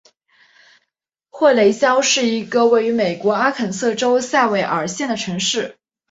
霍雷肖是一个位于美国阿肯色州塞维尔县的城市。